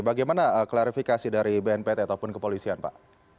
bagaimana klarifikasi dari bnpt ataupun kepolisian pak